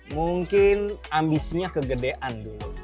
mungkin ambisinya kegedean dulu